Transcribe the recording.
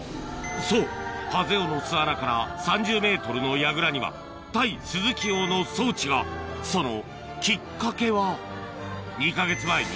そうハゼ雄の巣穴から３０ｍのやぐらには対スズキ用の装置がそのきっかけは狙われるよ。